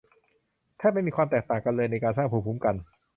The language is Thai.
แทบไม่มีความแตกต่างกันเลยในการสร้างภูมิคุ้มกัน